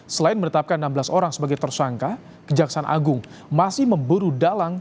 selain menetapkan enam belas orang sebagai tersangka kejaksaan agung masih memburu dalang